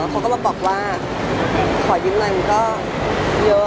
เขาก็มาบอกว่าขอยืมเงินก็เยอะ